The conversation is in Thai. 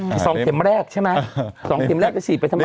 อีก๒เข็มแรกใช่ไหม๒เข็มแรกจะฉีดไปทำไม